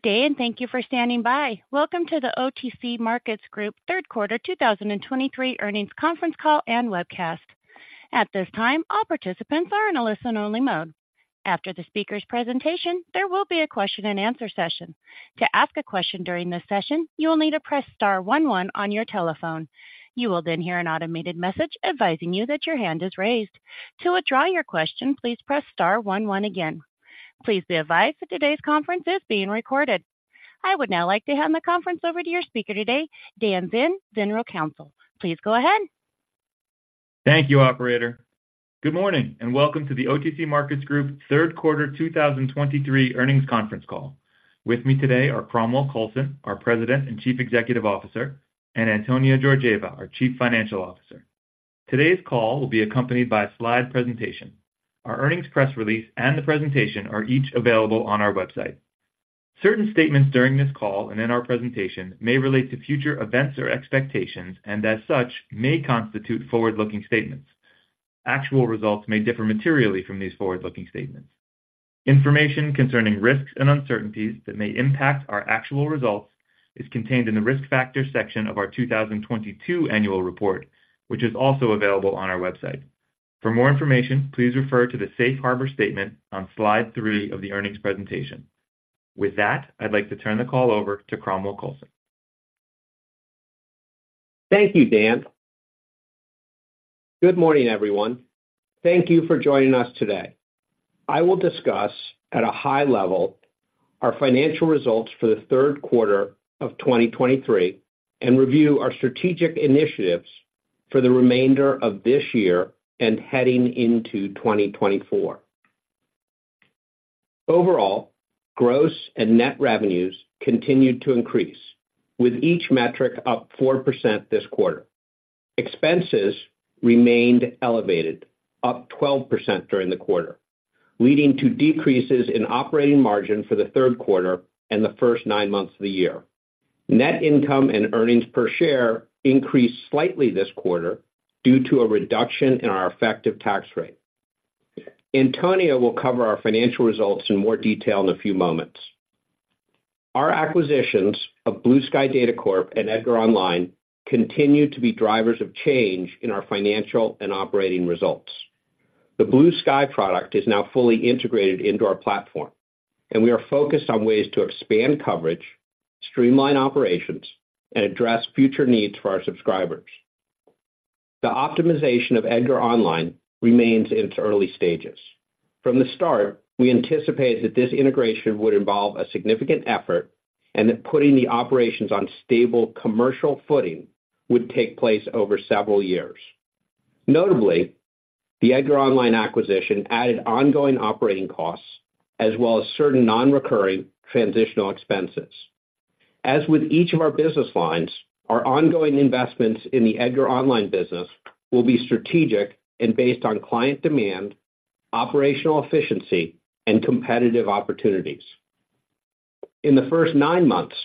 Good day, and thank you for standing by. Welcome to the OTC Markets Group third quarter 2023 earnings conference call and webcast. At this time, all participants are in a listen-only mode. After the speaker's presentation, there will be a question-and-answer session. To ask a question during this session, you will need to press star one one on your telephone. You will then hear an automated message advising you that your hand is raised. To withdraw your question, please press star one one again. Please be advised that today's conference is being recorded. I would now like to hand the conference over to your speaker today, Dan Zinn, General Counsel. Please go ahead. Thank you, operator. Good morning, and welcome to the OTC Markets Group third quarter 2023 earnings conference call. With me today are Cromwell Coulson, our President and Chief Executive Officer, and Antonia Georgieva, our Chief Financial Officer. Today's call will be accompanied by a slide presentation. Our earnings press release and the presentation are each available on our website. Certain statements during this call and in our presentation may relate to future events or expectations, and as such, may constitute forward-looking statements. Actual results may differ materially from these forward-looking statements. Information concerning risks and uncertainties that may impact our actual results is contained in the Risk Factors section of our 2022 annual report, which is also available on our website. For more information, please refer to the safe harbor statement on slide three of the earnings presentation. With that, I'd like to turn the call over to Cromwell Coulson. Thank you, Dan. Good morning, everyone. Thank you for joining us today. I will discuss at a high level our financial results for the third quarter of 2023 and review our strategic initiatives for the remainder of this year and heading into 2024. Overall, gross and net revenues continued to increase, with each metric up 4% this quarter. Expenses remained elevated, up 12% during the quarter, leading to decreases in operating margin for the third quarter and the first nine months of the year. Net income and earnings per share increased slightly this quarter due to a reduction in our effective tax rate. Antonia will cover our financial results in more detail in a few moments. Our acquisitions of Blue Sky Data Corp and EDGAR Online continue to be drivers of change in our financial and operating results. The Blue Sky product is now fully integrated into our platform, and we are focused on ways to expand coverage, streamline operations, and address future needs for our subscribers. The optimization of EDGAR Online remains in its early stages. From the start, we anticipated that this integration would involve a significant effort and that putting the operations on stable commercial footing would take place over several years. Notably, the EDGAR Online acquisition added ongoing operating costs as well as certain non-recurring transitional expenses. As with each of our business lines, our ongoing investments in the EDGAR Online business will be strategic and based on client demand, operational efficiency, and competitive opportunities. In the first nine months,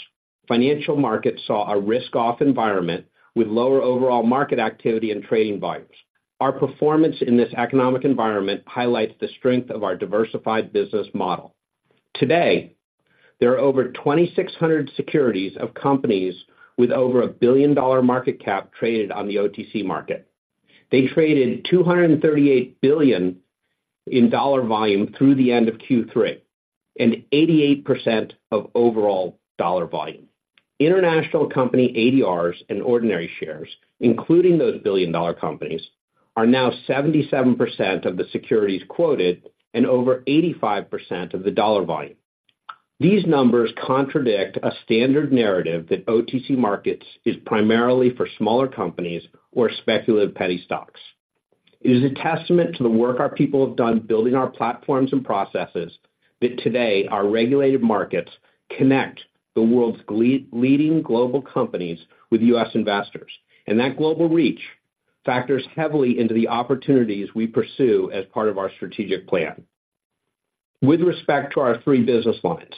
financial markets saw a risk-off environment with lower overall market activity and trading volumes. Our performance in this economic environment highlights the strength of our diversified business model. Today, there are over 2,600 securities of companies with over a billion-dollar market cap traded on the OTC market. They traded $238 billion in dollar volume through the end of Q3 and 88% of overall dollar volume. International company ADRs and ordinary shares, including those billion-dollar companies, are now 77% of the securities quoted and over 85% of the dollar volume. These numbers contradict a standard narrative that OTC Markets is primarily for smaller companies or speculative penny stocks. It is a testament to the work our people have done building our platforms and processes that today our regulated markets connect the world's leading global companies with U.S. investors, and that global reach factors heavily into the opportunities we pursue as part of our strategic plan. With respect to our three business lines,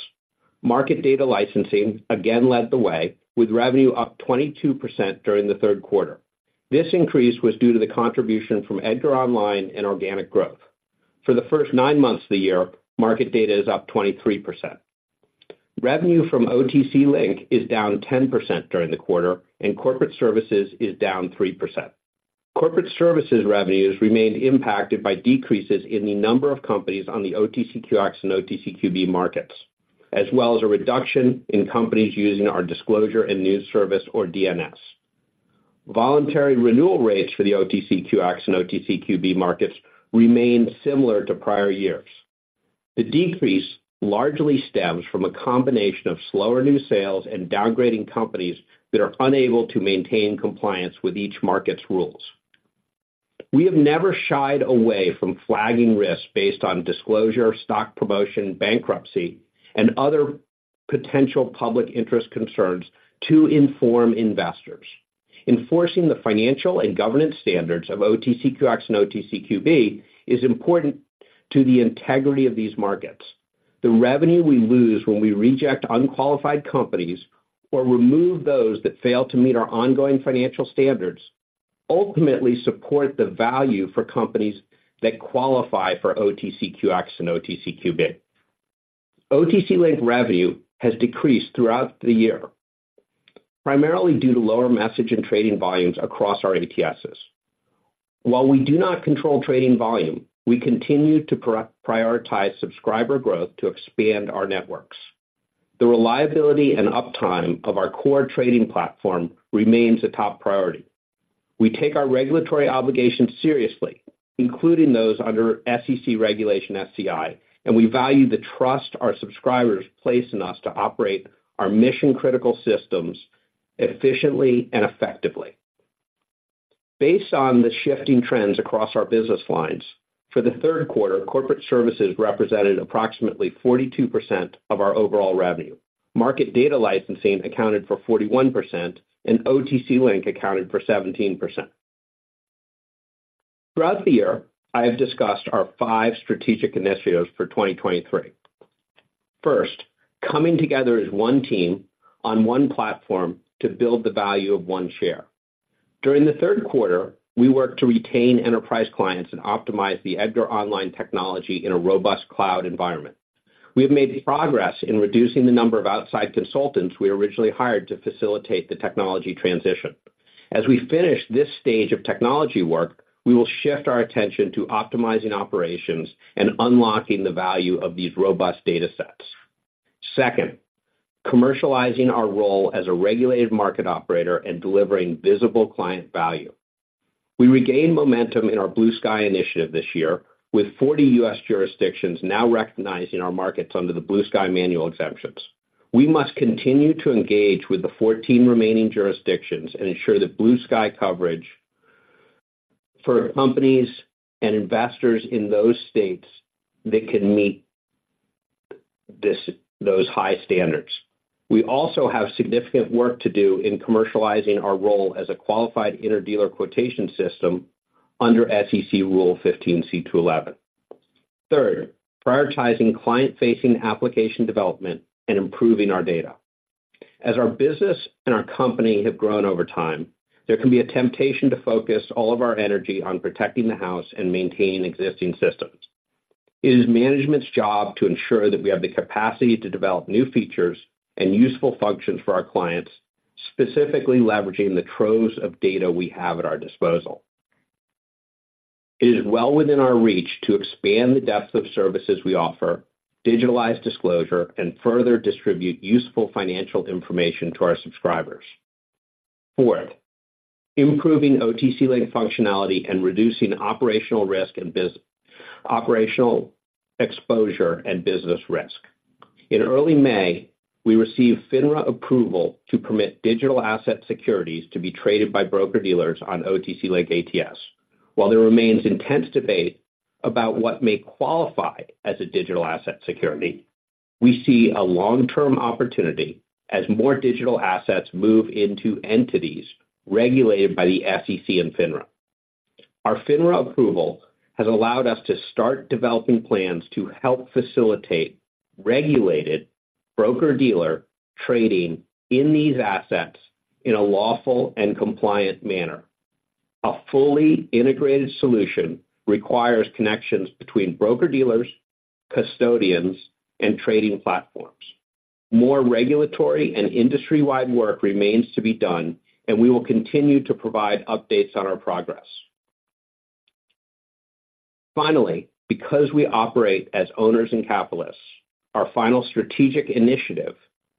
market data licensing again led the way, with revenue up 22% during the third quarter. This increase was due to the contribution from EDGAR Online and organic growth. For the first nine months of the year, market data is up 23%. Revenue from OTC Link is down 10% during the quarter, and corporate services is down 3%. Corporate services revenues remained impacted by decreases in the number of companies on the OTCQX and OTCQB markets, as well as a reduction in companies using our Disclosure and News Service, or DNS. Voluntary renewal rates for the OTCQX and OTCQB markets remained similar to prior years. The decrease largely stems from a combination of slower new sales and downgrading companies that are unable to maintain compliance with each market's rules. We have never shied away from flagging risks based on disclosure, stock promotion, bankruptcy, and other potential public interest concerns to inform investors. Enforcing the financial and governance standards of OTCQX and OTCQB is important to the integrity of these markets. The revenue we lose when we reject unqualified companies or remove those that fail to meet our ongoing financial standards ultimately support the value for companies that qualify for OTCQX and OTCQB. OTC Link revenue has decreased throughout the year, primarily due to lower message and trading volumes across our ATSs. While we do not control trading volume, we continue to prioritize subscriber growth to expand our networks. The reliability and uptime of our core trading platform remains a top priority. We take our regulatory obligations seriously, including those under SEC Regulation SCI, and we value the trust our subscribers place in us to operate our mission-critical systems efficiently and effectively. Based on the shifting trends across our business lines, for the third quarter, corporate services represented approximately 42% of our overall revenue. Market data licensing accounted for 41%, and OTC Link accounted for 17%. Throughout the year, I have discussed our five strategic initiatives for 2023. First, coming together as one team on one platform to build the value of one share. During the third quarter, we worked to retain enterprise clients and optimize the EDGAR Online technology in a robust cloud environment. We have made progress in reducing the number of outside consultants we originally hired to facilitate the technology transition. As we finish this stage of technology work, we will shift our attention to optimizing operations and unlocking the value of these robust data sets. Second, commercializing our role as a regulated market operator and delivering visible client value. We regained momentum in our Blue Sky initiative this year, with 40 U.S. jurisdictions now recognizing our markets under the Blue Sky manual exemptions. We must continue to engage with the 14 remaining jurisdictions and ensure that Blue Sky coverage for companies and investors in those states that can meet those high standards. We also have significant work to do in commercializing our role as a qualified interdealer quotation system under SEC Rule 15c2-11. Third, prioritizing client-facing application development and improving our data. As our business and our company have grown over time, there can be a temptation to focus all of our energy on protecting the house and maintaining existing systems. It is management's job to ensure that we have the capacity to develop new features and useful functions for our clients, specifically leveraging the troves of data we have at our disposal. It is well within our reach to expand the depth of services we offer, digitalize disclosure, and further distribute useful financial information to our subscribers. Fourth, improving OTC Link functionality and reducing operational risk and operational exposure and business risk. In early May, we received FINRA approval to permit digital asset securities to be traded by broker-dealers on OTC Link ATS. While there remains intense debate about what may qualify as a digital asset security, we see a long-term opportunity as more digital assets move into entities regulated by the SEC and FINRA. Our FINRA approval has allowed us to start developing plans to help facilitate regulated broker-dealer trading in these assets in a lawful and compliant manner. A fully integrated solution requires connections between broker-dealers, custodians, and trading platforms. More regulatory and industry-wide work remains to be done, and we will continue to provide updates on our progress. Finally, because we operate as owners and capitalists, our final strategic initiative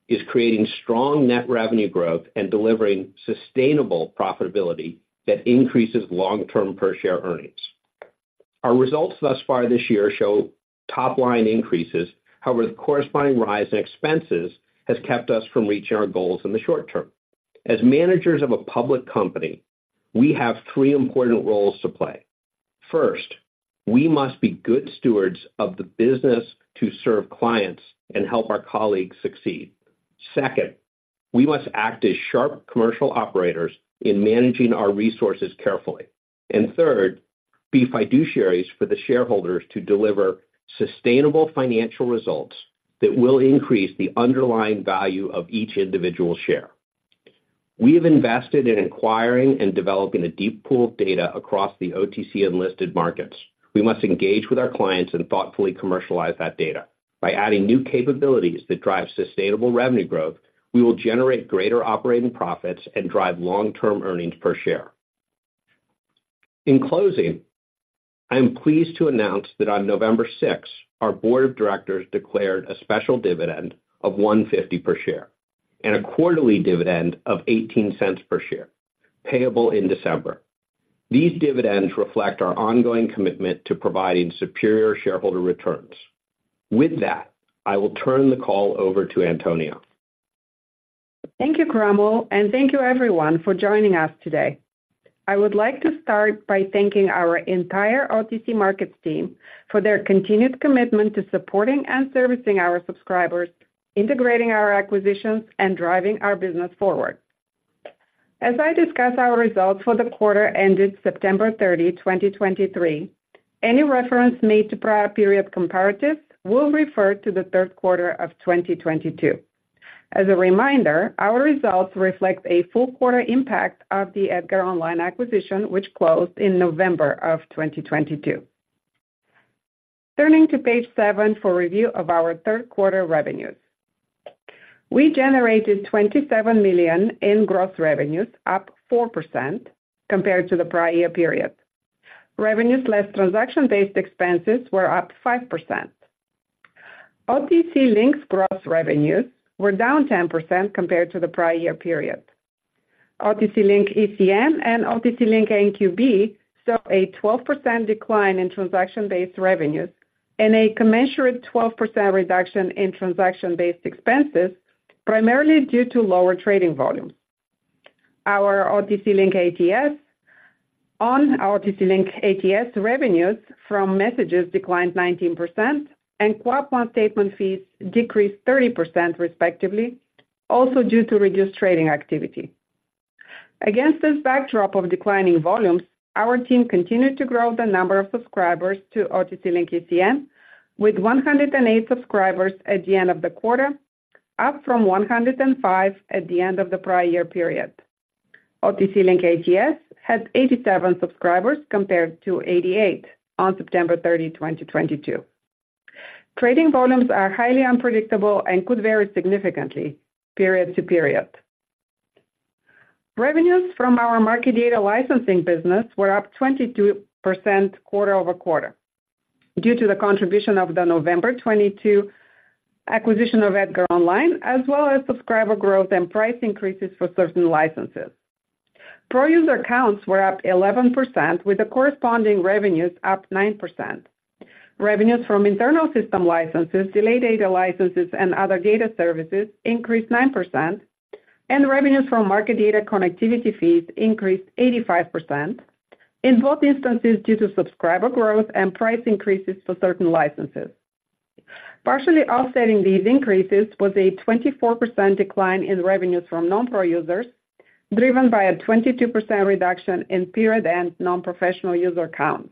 is creating strong net revenue growth and delivering sustainable profitability that increases long-term per-share earnings. Our results thus far this year show top-line increases. However, the corresponding rise in expenses has kept us from reaching our goals in the short term. As managers of a public company, we have three important roles to play. First, we must be good stewards of the business to serve clients and help our colleagues succeed. Second, we must act as sharp commercial operators in managing our resources carefully. Third, be fiduciaries for the shareholders to deliver sustainable financial results that will increase the underlying value of each individual share. We have invested in acquiring and developing a deep pool of data across the OTC unlisted markets. We must engage with our clients and thoughtfully commercialize that data. By adding new capabilities that drive sustainable revenue growth, we will generate greater operating profits and drive long-term earnings per share. In closing, I am pleased to announce that on November sixth, our board of directors declared a special dividend of $1.50 per share and a quarterly dividend of $0.18 per share, payable in December. These dividends reflect our ongoing commitment to providing superior shareholder returns. With that, I will turn the call over to Antonia. Thank you, Cromwell, and thank you everyone for joining us today. I would like to start by thanking our entire OTC Markets team for their continued commitment to supporting and servicing our subscribers, integrating our acquisitions, and driving our business forward. As I discuss our results for the quarter ended September 30, 2023, any reference made to prior period comparatives will refer to the third quarter of 2022. As a reminder, our results reflect a full quarter impact of the EDGAR Online acquisition, which closed in November of 2022. Turning to page seven for review of our third quarter revenues. We generated $27 million in gross revenues, up 4% compared to the prior year period. Revenues, less transaction-based expenses, were up 5%. OTC Link's gross revenues were down 10% compared to the prior year period. OTC Link ECN and OTC Link NQB saw a 12% decline in transaction-based revenues and a commensurate 12% reduction in transaction-based expenses, primarily due to lower trading volumes. On our OTC Link ATS, revenues from messages declined 19%, and quote one statement fees decreased 30%, respectively, also due to reduced trading activity. Against this backdrop of declining volumes, our team continued to grow the number of subscribers to OTC Link ECN, with 108 subscribers at the end of the quarter, up from 105 at the end of the prior year period. OTC Link ATS had 87 subscribers, compared to 88 subscribers on September 30, 2022. Trading volumes are highly unpredictable and could vary significantly period to period. Revenues from our market data licensing business were up 22% quarter-over-quarter due to the contribution of the November 2022 acquisition of EDGAR Online, as well as subscriber growth and price increases for certain licenses. Pro user counts were up 11%, with the corresponding revenues up 9%. Revenues from internal system licenses, delayed data licenses, and other data services increased 9%, and revenues from market data connectivity fees increased 85%, in both instances, due to subscriber growth and price increases for certain licenses. Partially offsetting these increases was a 24% decline in revenues from non-pro users, driven by a 22% reduction in period and non-professional user counts.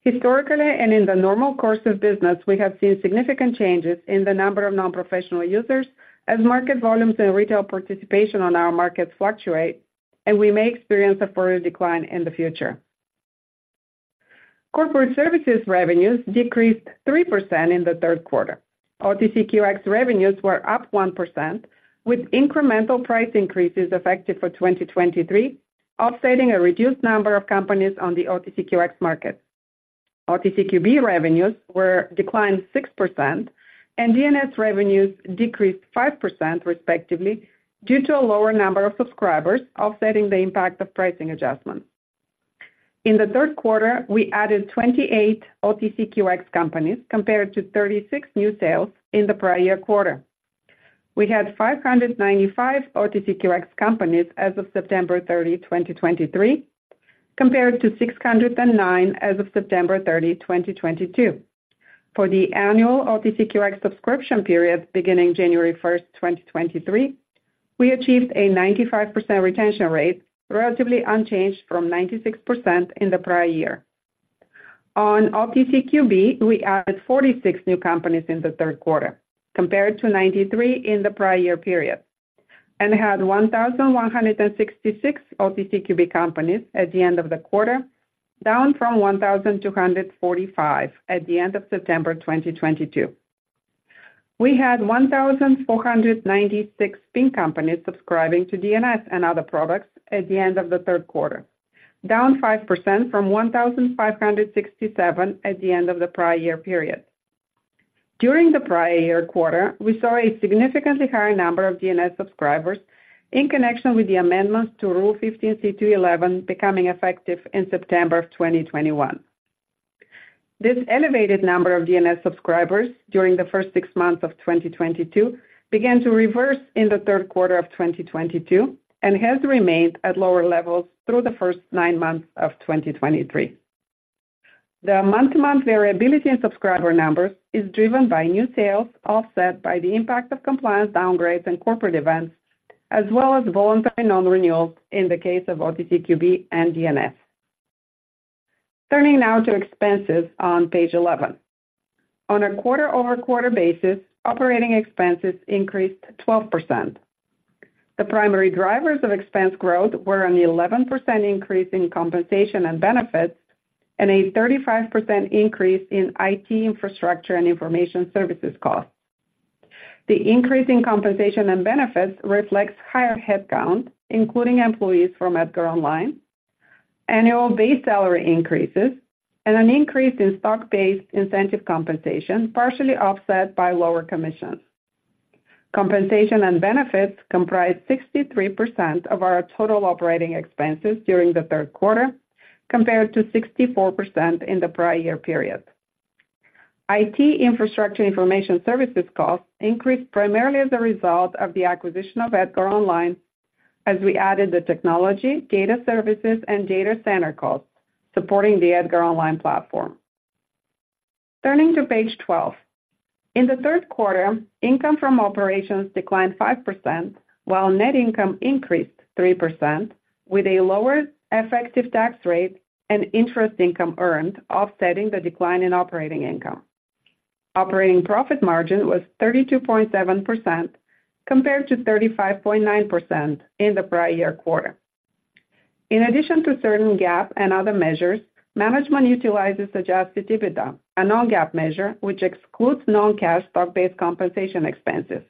Historically, and in the normal course of business, we have seen significant changes in the number of non-professional users as market volumes and retail participation on our markets fluctuate, and we may experience a further decline in the future. Corporate services revenues decreased 3% in the third quarter. OTCQX revenues were up 1%, with incremental price increases effective for 2023, offsetting a reduced number of companies on the OTCQX market. OTCQB revenues were declined 6%, and DNS revenues decreased 5%, respectively, due to a lower number of subscribers offsetting the impact of pricing adjustments. In the third quarter, we added 28 OTCQX companies, compared to 36 new sales in the prior year quarter. We had 595 OTCQX companies as of September 30, 2023, compared to 609 OTCQX as of September 30, 2022. For the annual OTCQX subscription period, beginning January 1st, 2023, we achieved a 95% retention rate, relatively unchanged from 96% in the prior year. On OTCQB, we added 46 new companies in the third quarter, compared to 93 OTCQB in the prior year period, and had 1,166 OTCQB companies at the end of the quarter, down from 1,245 OTCQB at the end of September 2022. We had 1,496 Pink companies subscribing to DNS and other products at the end of the third quarter, down 5% from 1,567 Pink companies at the end of the prior year period. During the prior year quarter, we saw a significantly higher number of DNS subscribers in connection with the amendments to Rule 15c2-11, becoming effective in September 2021. This elevated number of DNS subscribers during the first six months of 2022 began to reverse in the third quarter of 2022, and has remained at lower levels through the first nine months of 2023. The month-to-month variability in subscriber numbers is driven by new sales, offset by the impact of compliance downgrades and corporate events, as well as voluntary non-renewals in the case of OTCQB and DNS. Turning now to expenses on page 11. On a quarter-over-quarter basis, operating expenses increased 12%. The primary drivers of expense growth were an 11% increase in compensation and benefits, and a 35% increase in IT infrastructure and information services costs. The increase in compensation and benefits reflects higher headcount, including employees from EDGAR Online, annual base salary increases, and an increase in stock-based incentive compensation, partially offset by lower commissions. Compensation and benefits comprised 63% of our total operating expenses during the third quarter, compared to 64% in the prior year period. IT infrastructure information services costs increased primarily as a result of the acquisition of EDGAR Online, as we added the technology, data services, and data center costs supporting the EDGAR Online platform. Turning to page 12. In the third quarter, income from operations declined 5%, while net income increased 3% with a lower effective tax rate and interest income earned, offsetting the decline in operating income. Operating profit margin was 32.7%, compared to 35.9% in the prior year quarter. In addition to certain GAAP and other measures, management utilizes Adjusted EBITDA, a non-GAAP measure, which excludes non-cash stock-based compensation expenses.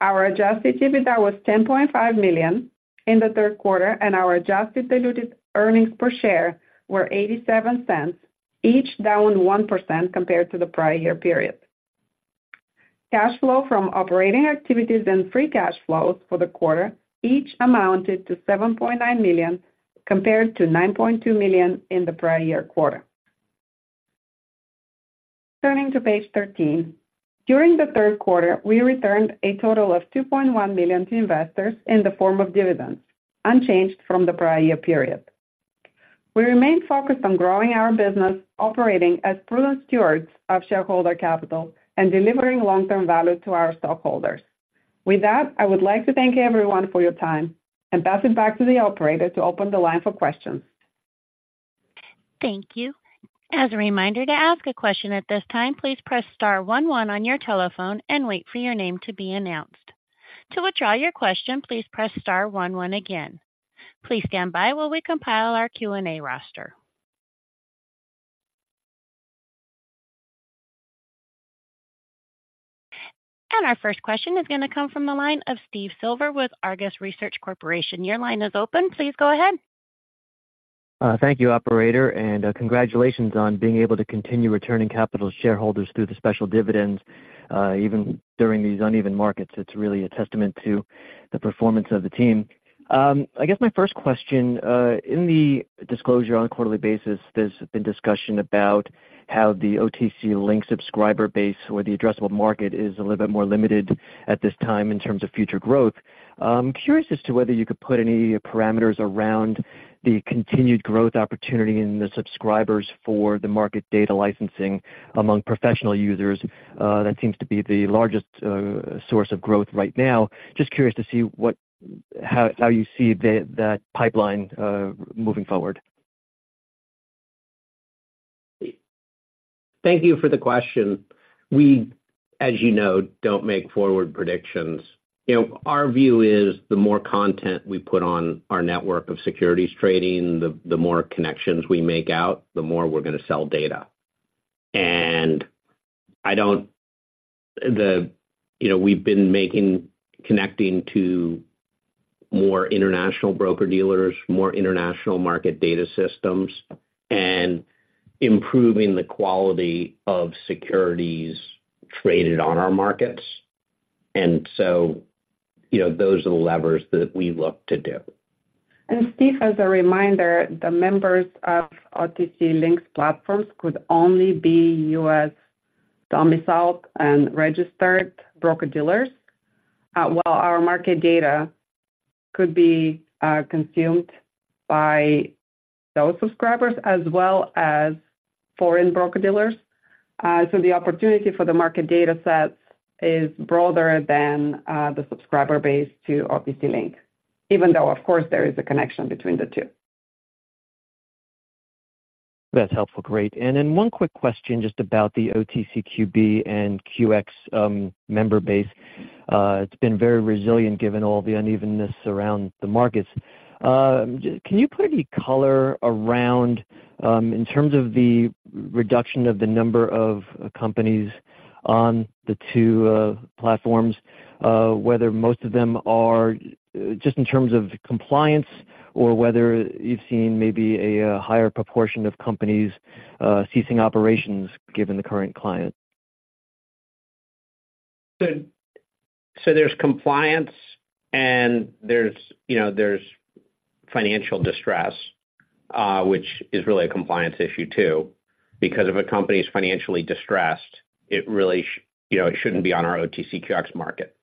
Our adjusted EBITDA was $10.5 million in the third quarter, and our adjusted diluted earnings per share were $0.87, each down 1% compared to the prior year period. Cash flow from operating activities and free cash flows for the quarter each amounted to $7.9 million, compared to $9.2 million in the prior year quarter. Turning to page 13. During the third quarter, we returned a total of $2.1 million to investors in the form of dividends, unchanged from the prior year period. We remain focused on growing our business, operating as prudent stewards of shareholder capital and delivering long-term value to our stockholders. With that, I would like to thank everyone for your time and pass it back to the operator to open the line for questions. Thank you. As a reminder, to ask a question at this time, please press star one one on your telephone and wait for your name to be announced. To withdraw your question, please press star one one again. Please stand by while we compile our Q&A roster. Our first question is going to come from the line of Steve Silver with Argus Research Corporation. Your line is open. Please go ahead. Thank you, operator, and congratulations on being able to continue returning capital to shareholders through the special dividends, even during these uneven markets. It's really a testament to the performance of the team. I guess my first question, in the disclosure on a quarterly basis, there's been discussion about how the OTC Link subscriber base or the addressable market is a little bit more limited at this time in terms of future growth. I'm curious as to whether you could put any parameters around the continued growth opportunity in the subscribers for the market data licensing among professional users. That seems to be the largest source of growth right now. Just curious to see what—how you see that pipeline moving forward. Thank you for the question. We, as you know, don't make forward predictions. You know, our view is the more content we put on our network of securities trading, the more connections we make out, the more we're going to sell data. And I don't... You know, we've been making, connecting to more international broker-dealers, more international market data systems, and improving the quality of securities traded on our markets. And so, you know, those are the levers that we look to do. And Steve, as a reminder, the members of OTC Link's platforms could only be U.S.-domiciled and registered broker-dealers, while our market data could be consumed by those subscribers as well as foreign broker-dealers. So the opportunity for the market data sets is broader than the subscriber base to OTC Link, even though, of course, there is a connection between the two. That's helpful. Great. And then one quick question just about the OTCQB and QX, member base. It's been very resilient given all the unevenness around the markets. Can you put any color around, in terms of the reduction of the number of companies on the two platforms, whether most of them are just in terms of compliance or whether you've seen maybe a higher proportion of companies ceasing operations, given the current climate? So, there's compliance and there's, you know, there's financial distress, which is really a compliance issue, too. Because if a company is financially distressed, it really shouldn't, you know, be on our OTCQX market.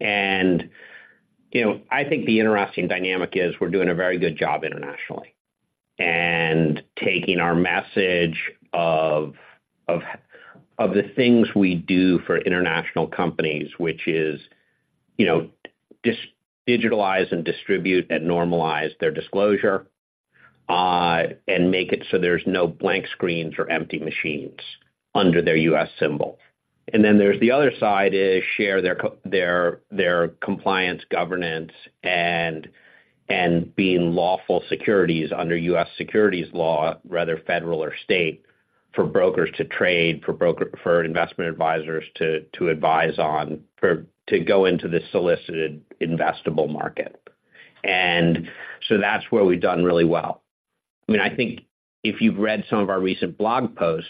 And, you know, I think the interesting dynamic is we're doing a very good job internationally and taking our message of the things we do for international companies, which is, you know, digitalize and distribute and normalize their disclosure, and make it so there's no blank screens or empty machines under their U.S. symbol. And then there's the other side is share their their compliance, governance, and being lawful securities under U.S. securities law, rather federal or state, for brokers to trade, for investment advisors to advise on, to go into this solicited investable market. And so that's where we've done really well. I mean, I think if you've read some of our recent blog posts,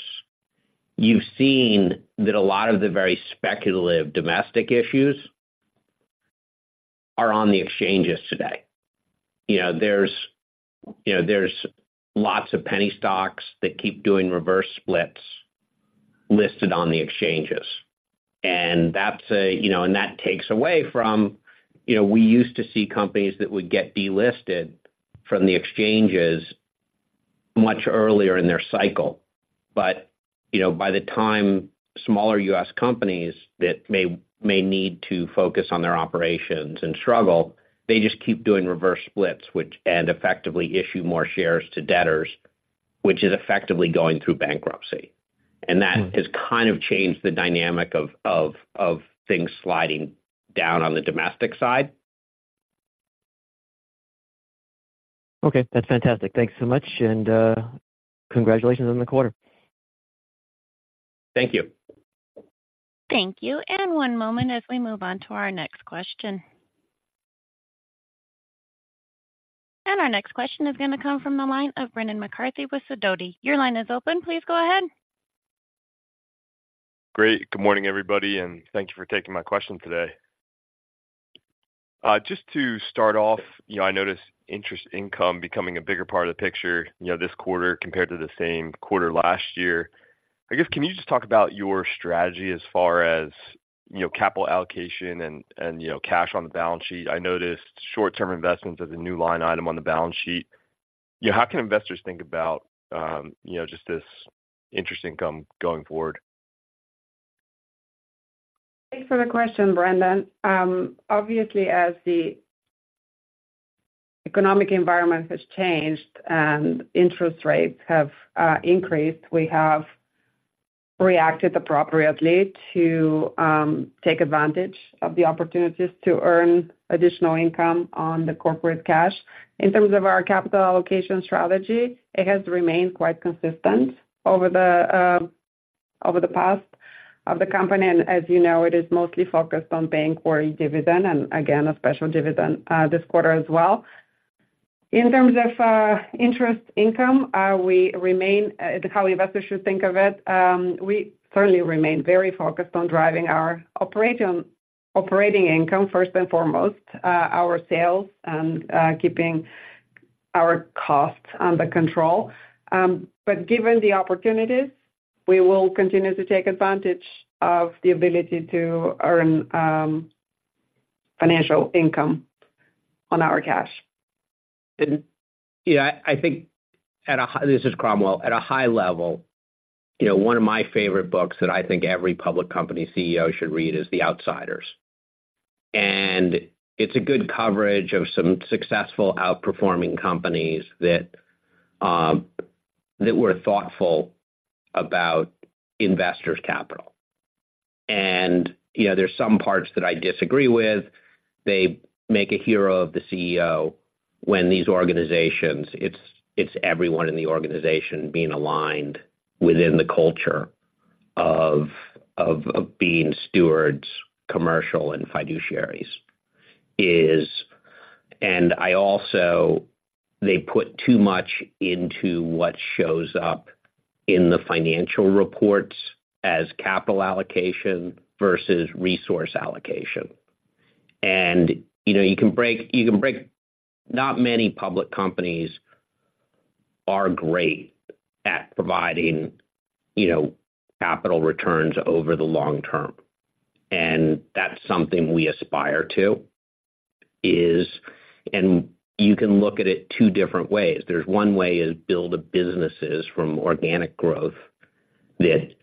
you've seen that a lot of the very speculative domestic issues are on the exchanges today. You know, there's lots of penny stocks that keep doing reverse splits listed on the exchanges. And that takes away from... You know, we used to see companies that would get delisted from the exchanges much earlier in their cycle. But, you know, by the time smaller U.S. companies that may need to focus on their operations and struggle, they just keep doing reverse splits, which and effectively issue more shares to debtors, which is effectively going through bankruptcy. And that has kind of changed the dynamic of things sliding down on the domestic side. Okay, that's fantastic. Thank you so much, and congratulations on the quarter. Thank you. Thank you. One moment as we move on to our next question. Our next question is going to come from the line of Brendan McCarthy with Sidoti. Your line is open. Please go ahead. Great. Good morning, everybody, and thank you for taking my question today. Just to start off, you know, I noticed interest income becoming a bigger part of the picture, you know, this quarter compared to the same quarter last year. I guess, can you just talk about your strategy as far as, you know, capital allocation and, and, you know, cash on the balance sheet? I noticed short-term investments as a new line item on the balance sheet. You know, how can investors think about, you know, just this interest income going forward? Thanks for the question, Brendan. Obviously, as the economic environment has changed and interest rates have increased, we have reacted appropriately to take advantage of the opportunities to earn additional income on the corporate cash. In terms of our capital allocation strategy, it has remained quite consistent over the past of the company, and as you know, it is mostly focused on paying quarterly dividend, and again, a special dividend this quarter as well. In terms of interest income, we remain how investors should think of it, we certainly remain very focused on driving our operating income, first and foremost, our sales and keeping our costs under control. But given the opportunities, we will continue to take advantage of the ability to earn financial income on our cash. Yeah, I think at a high level, this is Cromwell. At a high level, you know, one of my favorite books that I think every public company CEO should read is The Outsiders. And it's a good coverage of some successful outperforming companies that were thoughtful about investors' capital. And, you know, there's some parts that I disagree with. They make a hero of the CEO when these organizations, it's everyone in the organization being aligned within the culture of being stewards, commercial and fiduciaries is. And I also, they put too much into what shows up in the financial reports as capital allocation versus resource allocation. You know, not many public companies are great at providing, you know, capital returns over the long term, and that's something we aspire to. And you can look at it two different ways. There's one way is build a businesses from organic growth that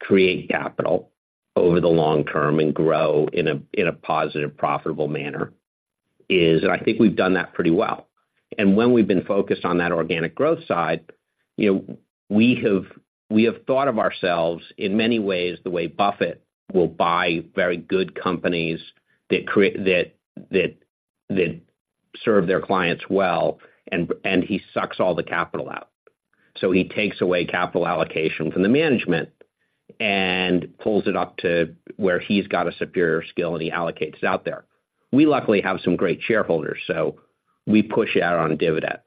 create capital over the long term and grow in a positive, profitable manner, and I think we've done that pretty well. And when we've been focused on that organic growth side, you know, we have thought of ourselves in many ways the way Buffett will buy very good companies that serve their clients well, and he sucks all the capital out. So he takes away capital allocation from the management and pulls it up to where he's got a superior skill, and he allocates it out there. We luckily have some great shareholders, so we push out on dividends.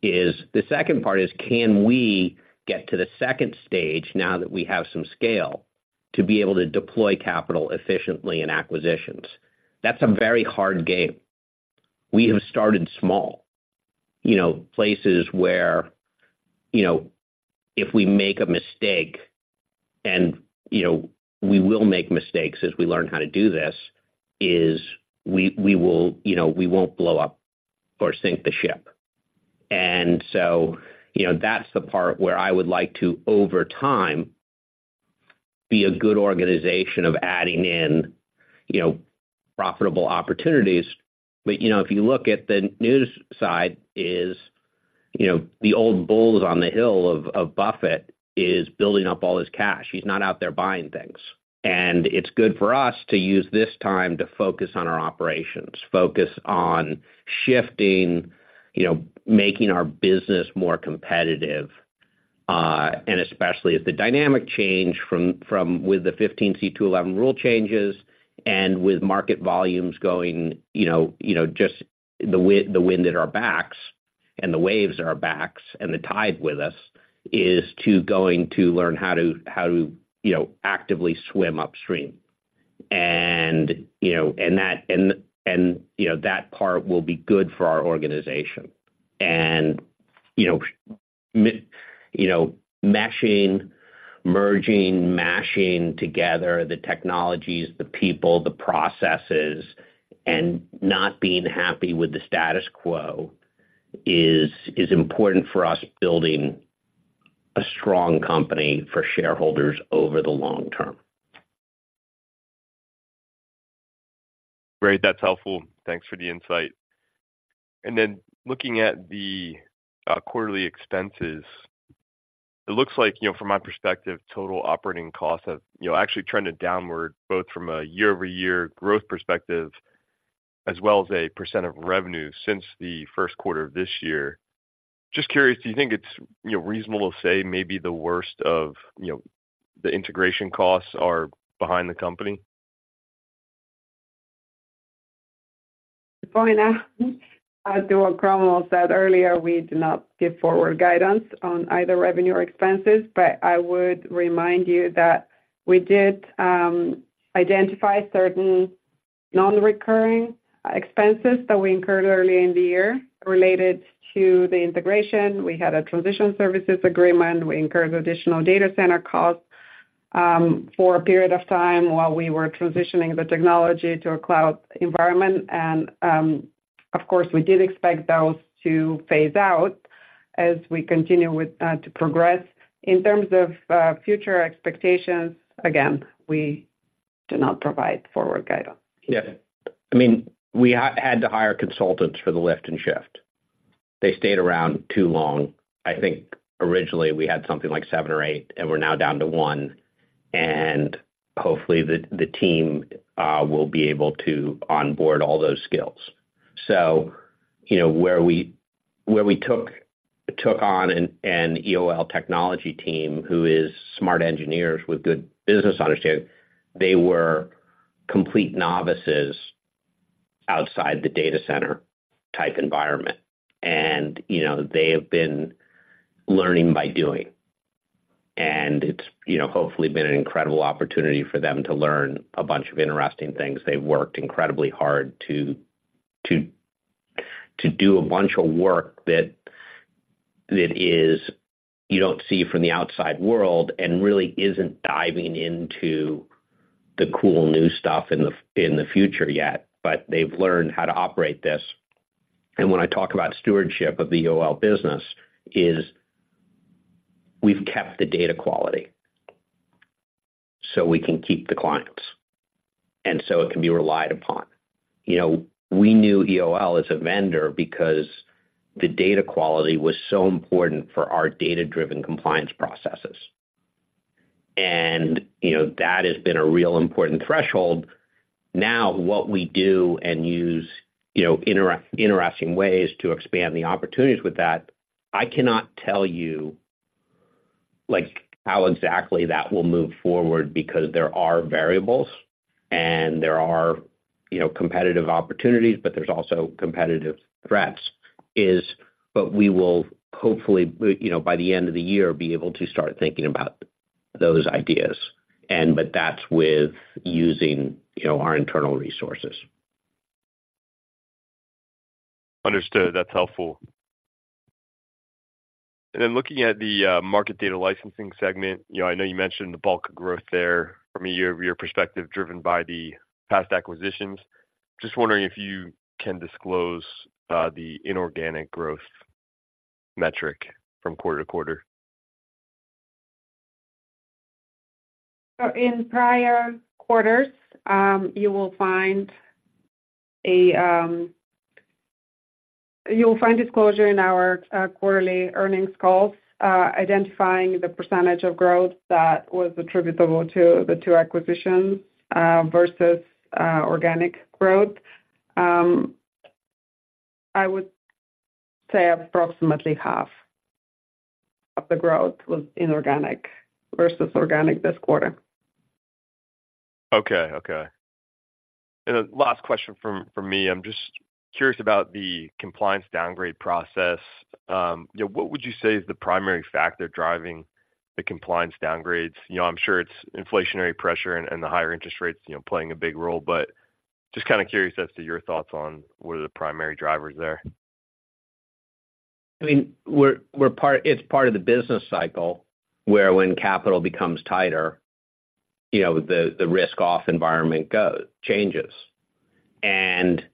The second part is: Can we get to the second stage now that we have some scale to be able to deploy capital efficiently in acquisitions? That's a very hard game. We have started small, you know, places where, you know, if we make a mistake and, you know, we will make mistakes as we learn how to do this, you know, we won't blow up or sink the ship. And so, you know, that's the part where I would like to, over time, be a good organization of adding in, you know, profitable opportunities. But, you know, if you look at the news side is, you know, the old bulls on the hill of Buffet is building up all his cash. He's not out there buying things. And it's good for us to use this time to focus on our operations, focus on shifting, you know, making our business more competitive, and especially as the dynamic change from with the 15c2-11 rule changes and with market volumes going, you know, just the wind at our backs and the waves at our backs and the tide with us, is to going to learn how to, you know, actively swim upstream. And, you know, that part will be good for our organization. And, you know, meshing, merging, mashing together the technologies, the people, the processes, and not being happy with the status quo is important for us building a strong company for shareholders over the long term. Great. That's helpful. Thanks for the insight. And then looking at the quarterly expenses, it looks like, you know, from my perspective, total operating costs have, you know, actually trended downward, both from a year-over-year growth perspective as well as a percent of revenue since the first quarter of this year. Just curious, do you think it's, you know, reasonable to say maybe the worst of, you know, the integration costs are behind the company? Well, as to what Cromwell said earlier, we do not give forward guidance on either revenue or expenses, but I would remind you that we did identify certain non-recurring expenses that we incurred early in the year related to the integration. We had a transition services agreement. We incurred additional data center costs for a period of time while we were transitioning the technology to a cloud environment. And, of course, we did expect those to phase out as we continue to progress. In terms of future expectations, again, we do not provide forward guidance. Yeah. I mean, we had to hire consultants for the lift and shift. They stayed around too long. I think originally we had something like seven or eight, and we're now down to one, and hopefully the team will be able to onboard all those skills. So, you know, where we took on an EOL technology team who is smart engineers with good business understanding, they were complete novices outside the data center-type environment. And, you know, they have been learning by doing. And it's, you know, hopefully been an incredible opportunity for them to learn a bunch of interesting things. They've worked incredibly hard to do a bunch of work that is... You don't see from the outside world and really isn't diving into the cool new stuff in the, in the future yet, but they've learned how to operate this. And when I talk about stewardship of the EOL business, is we've kept the data quality, so we can keep the clients, and so it can be relied upon. You know, we knew EOL as a vendor because the data quality was so important for our data-driven compliance processes. And, you know, that has been a real important threshold. Now, what we do and use, you know, interesting ways to expand the opportunities with that, I cannot tell you, like, how exactly that will move forward because there are variables, and there are, you know, competitive opportunities, but there's also competitive threats. But we will hopefully, you know, by the end of the year, be able to start thinking about those ideas, and but that's with using, you know, our internal resources. Understood. That's helpful. And then looking at the market data licensing segment, you know, I know you mentioned the bulk of growth there from a year-over-year perspective, driven by the past acquisitions. Just wondering if you can disclose the inorganic growth metric from quarter to quarter? So in prior quarters, you'll find disclosure in our quarterly earnings calls, identifying the percentage of growth that was attributable to the two acquisitions versus organic growth. I would say approximately half of the growth was inorganic versus organic this quarter. Okay. Okay. And then last question from me. I'm just curious about the compliance downgrade process. You know, what would you say is the primary factor driving the compliance downgrades? You know, I'm sure it's inflationary pressure and the higher interest rates, you know, playing a big role, but just kind of curious as to your thoughts on what are the primary drivers there. I mean, we're part of the business cycle, where when capital becomes tighter, you know, the risk-off environment changes. And,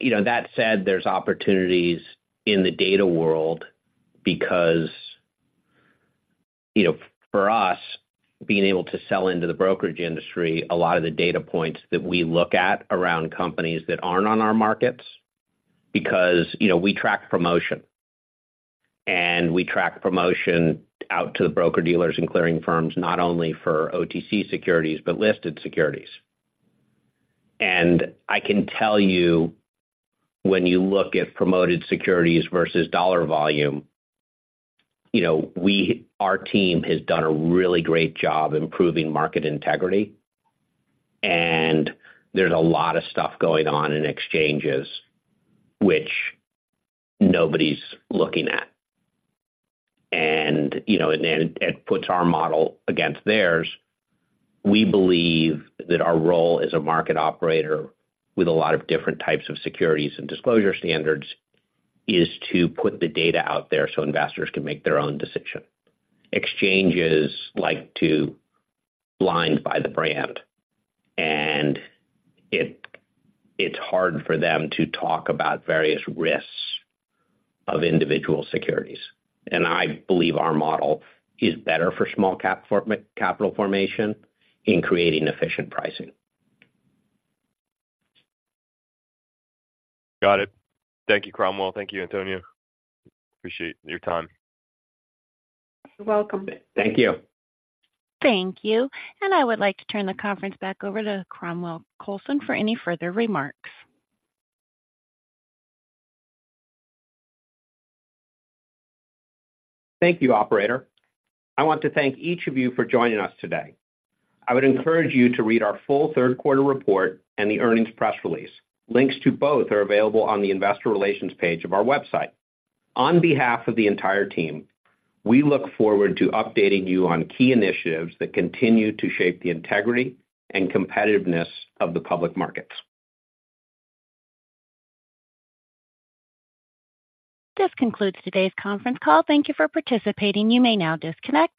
you know, that said, there's opportunities in the data world because, you know, for us, being able to sell into the brokerage industry, a lot of the data points that we look at around companies that aren't on our markets, because, you know, we track promotion, and we track promotion out to the broker-dealers and clearing firms, not only for OTC securities, but listed securities. And I can tell you, when you look at promoted securities versus dollar volume, you know, our team has done a really great job improving market integrity, and there's a lot of stuff going on in exchanges which nobody's looking at. And, you know, and then it puts our model against theirs. We believe that our role as a market operator with a lot of different types of securities and disclosure standards, is to put the data out there so investors can make their own decision. Exchanges like to blind by the brand, and it, it's hard for them to talk about various risks of individual securities. I believe our model is better for small cap capital formation in creating efficient pricing. Got it. Thank you, Cromwell. Thank you, Antonia. Appreciate your time. You're welcome. Thank you. Thank you. I would like to turn the conference back over to Cromwell Coulson for any further remarks. Thank you, operator. I want to thank each of you for joining us today. I would encourage you to read our full third-quarter report and the earnings press release. Links to both are available on the investor relations page of our website. On behalf of the entire team, we look forward to updating you on key initiatives that continue to shape the integrity and competitiveness of the public markets. This concludes today's conference call. Thank you for participating. You may now disconnect.